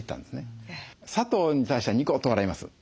砂糖に対してはニコッと笑います。